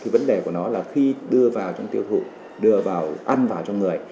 vấn đề của nó là khi đưa vào trong tiêu thụ đưa vào ăn vào cho người